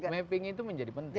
mapping itu menjadi penting